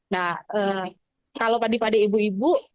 nah kalau pada ibu ibu